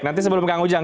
nanti sebelum kang ujang